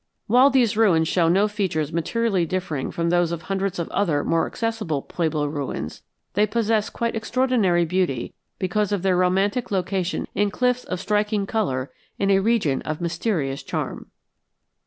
While these ruins show no features materially differing from those of hundreds of other more accessible pueblo ruins, they possess quite extraordinary beauty because of their romantic location in cliffs of striking color in a region of mysterious charm.